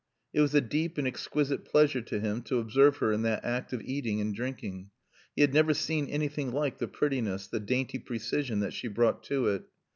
It was a deep and exquisite pleasure to him to observe her in that act of eating and drinking. He had never seen anything like the prettiness, the dainty precision that she brought to it.